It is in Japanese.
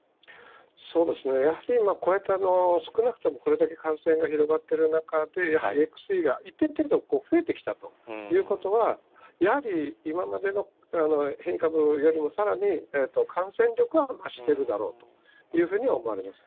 そうですね、やはりこうやって少なくともこれだけ感染が広がっている中で、やはりＸＥが一定程度増えてきたということは、やはり今までの変異株よりも、さらに感染力は増してるだろうというふうには思われます。